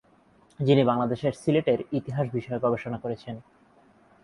যিনি বাংলাদেশের সিলেটের ইতিহাস বিষয়ে গবেষণা করেছেন।